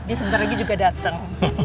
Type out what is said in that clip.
dia sebentar lagi juga datang